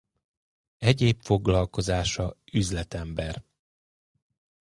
Egyéb foglalkozása üzletember.